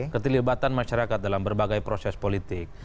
keterlibatan masyarakat dalam berbagai proses politik